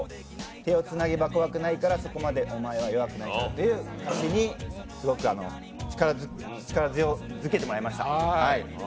「手をつなげば怖くないからそこまでお前は弱くないから」という歌詞にすごく力づけてもらいました。